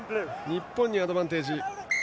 日本にアドバンテージ。